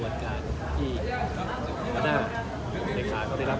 มีตัวเฉพาะอยู่นี่ค่ะมันพี่หาเสียงมานะครับ